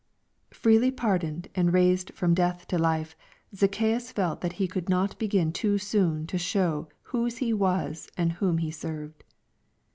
Freely pardoned, and raised from \ death to life, Zacchaeus felt that he could not begin too eoon to show whose he was and whom he served.